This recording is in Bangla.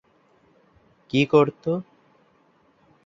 কি করত?